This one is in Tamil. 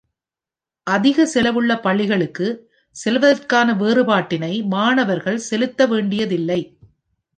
அதிக செலவுள்ள பள்ளிகளுக்கு செல்வதற்கான வேறுபாட்டினை மாணவர்கள் செலுத்த வேண்டியதில்லை.